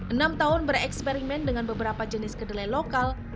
enam tahun bereksperimen dengan beberapa jenis kedelai lokal